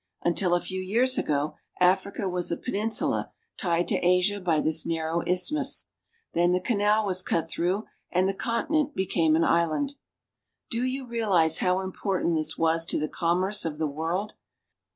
Until a few years ago, Africa was a peninsula tied to Asia by this narrow isthmus. Then the canal was cut through, and the continent became an island. Do you realize how important this was to the commerce of the world